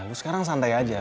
lo sekarang santai aja